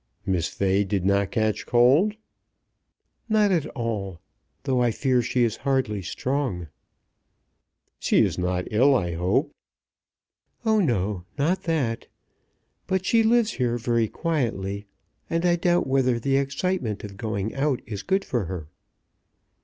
"Miss Fay did not catch cold?" "Not at all; though I fear she is hardly strong." "She is not ill, I hope?" "Oh, no; not that. But she lives here very quietly, and I doubt whether the excitement of going out is good for her."